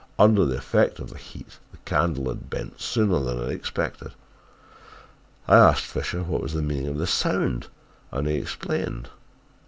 Under the effect of the heat the candle had bent sooner than I had expected. I asked Fisher what was the meaning of the sound and he explained.